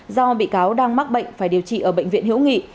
do bị cáo đang mắc bệnh phải điều trị ở bệnh viện hữu nghị